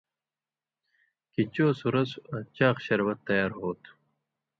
کھیں چو سُرسوۡ آں چاق شربت تیار ہوتُھو